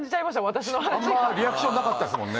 私の話があんまリアクションなかったですもんね